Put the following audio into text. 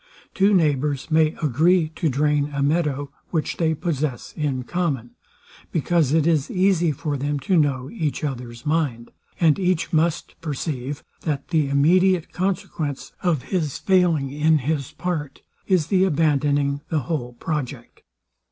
Two neighbours may agree to drain a meadow, which they possess in common; because it is easy for them to know each others mind; and each must perceive, that the immediate consequence of his failing in his part, is, the abandoning the whole project.